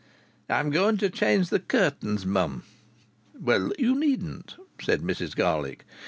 "I'm going to change the curtains, mum." "Well, you needn't," said Mrs Garlick.